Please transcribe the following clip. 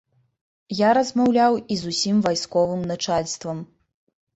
Я размаўляў і з усім вайсковым начальствам.